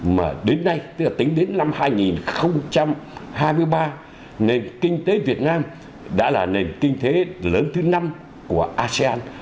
mà đến nay tức là tính đến năm hai nghìn hai mươi ba nền kinh tế việt nam đã là nền kinh tế lớn thứ năm của asean